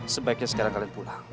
sebaiknya sekarang kalian pulang